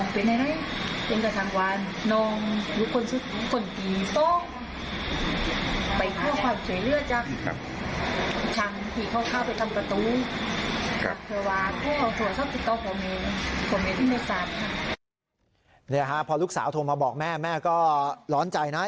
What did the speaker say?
นี่ฮะพอลูกสาวโทรมาบอกแม่แม่ก็ร้อนใจนะ